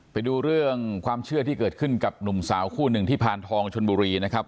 ไปดูเรื่องความเชื่อที่เกิดขึ้นกับหนุ่มสาวคู่หนึ่งที่พานทองชนบุรีนะครับ